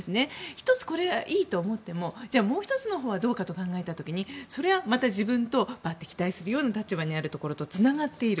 １つこれがいいと思ってももう１つのほうはどうかと考えた時に、それはまた自分と敵対するような立場のところをつながっている。